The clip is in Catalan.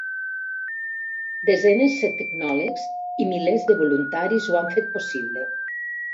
Desenes se tecnòlegs i milers de voluntaris ho han fet possible.